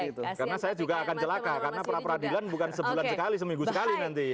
karena saya juga akan jelaka karena peradilan bukan sebulan sekali seminggu sekali nanti